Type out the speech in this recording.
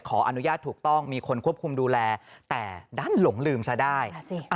ขออนุญาตถูกต้องมีคนควบคุมดูแลแต่ดันหลงลืมซะได้